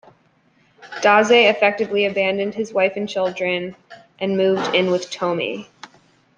Dazai effectively abandoned his wife and children and moved in with Tomie.